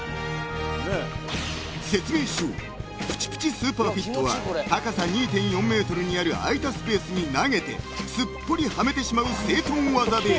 ［説明しようプチプチスーパーフィットは高さ２．４ｍにある空いたスペースに投げてすっぽりはめてしまう整頓技である］